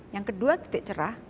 yang kedua titik cerah